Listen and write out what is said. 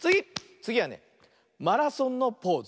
つぎはね「マラソン」のポーズ。